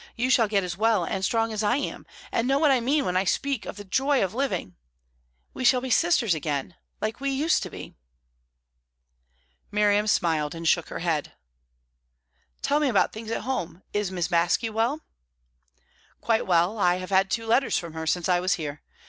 You shall get as well and strong as I am, and know what I mean when I speak of the joy of living. We shall be sisters again, like we used to be." Miriam smiled and shook her head. "Tell me about things at home. Is Miss Baske well?" "Quite well. I have had two letters from her since I was here.